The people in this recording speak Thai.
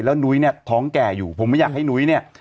แล้วนุ้ยเนี่ยท้องแก่อยู่ผมไม่อยากให้นุ้ยเนี่ย